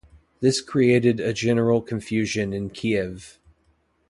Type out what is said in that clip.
This created a general confusion in Kiev.